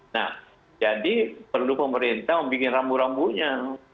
nah jadi perlu pemerintah membuat rambu rambunya